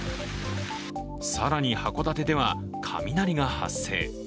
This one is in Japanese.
更に、函館では雷が発生。